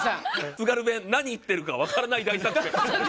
「津軽弁なにいってるかわからない大作戦」。